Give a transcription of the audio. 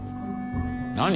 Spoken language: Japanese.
何？